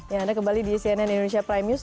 ya anda kembali di cnn indonesia prime news